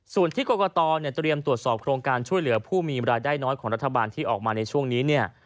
ส่วนที่กรกตเตรียมตรวจสอบโครงการช่วยเหลือผู้มีรายได้น้อยของรัฐบาลที่ออกมาในช่วงนี้เนี่ย